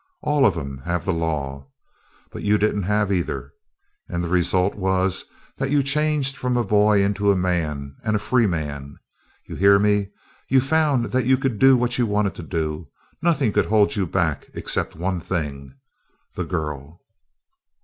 All of 'em have the law. But you didn't have either. And the result was that you changed from a boy into a man, and a free man. You hear me? You found that you could do what you wanted to do; nothing could hold you back except one thing the girl!"